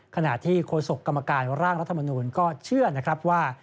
ขณะที่โฆษกกรรมการร่างรัฐมนูลก็เชื่อนะครับว่า